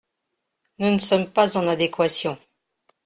Nous ne sommes pas en adéquation.